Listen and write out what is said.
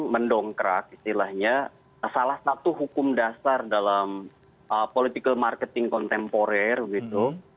mendongkrak istilahnya salah satu hukum dasar dalam political marketing kontemporer gitu